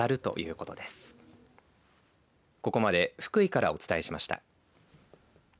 ここまで福井からお伝えしました。